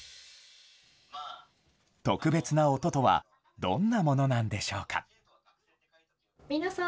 特別な音とはどんなものなんでしょうか。